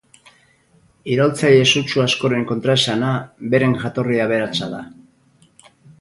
Iraultzaile sutsu askoren kontraesana beren jatorri aberatsa da.